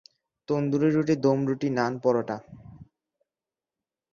তন্দুরি রুটি, দম রুটি, নান, পরাটা।